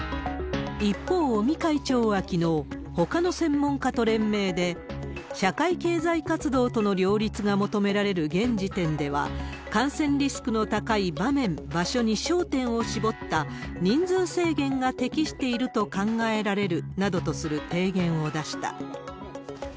一方、尾身会長はきのう、ほかの専門家と連名で、社会経済活動との両立が求められる現時点では、感染リスクの高い場面、場所に焦点を絞った人数制限が適していると考えられるなどとする提言を出した。